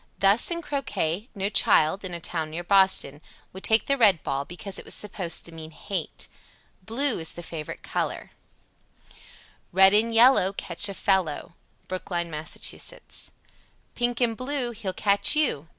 Thus in croquet no child (in a town near Boston) would take the red ball, because it was supposed to mean hate. Blue is the favorite color. 96. Red and yellow, catch a fellow. Brookline, Mass. Pink and blue, he'll catch you.